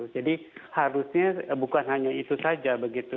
jadi harusnya bukan hanya itu saja